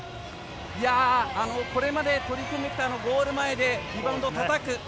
これまで取り組んできたゴール前でリバウンドをたたく。